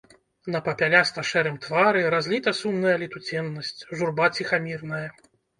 На папяляста-шэрым твары разліта сумная летуценнасць, журба ціхамірная.